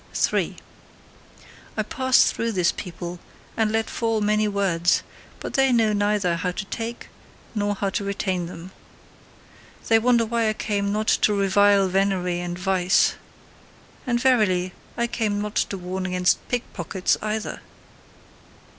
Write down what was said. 3. I pass through this people and let fall many words: but they know neither how to take nor how to retain them. They wonder why I came not to revile venery and vice; and verily, I came not to warn against pickpockets either!